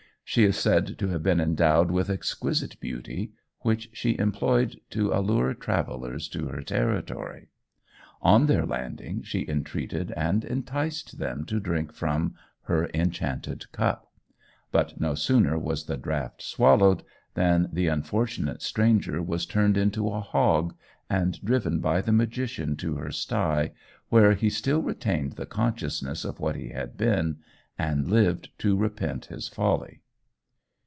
She is said to have been endowed with exquisite beauty, which she employed to allure travellers to her territory. On their landing, she entreated and enticed them to drink from her enchanted cup. But no sooner was the draught swallowed, than the unfortunate stranger was turned into a hog, and driven by the magician to her sty, where he still retained the consciousness of what he had been, and lived to repent his folly.